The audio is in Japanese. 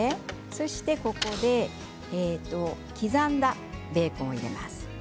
そして、ここで刻んだベーコンを入れます。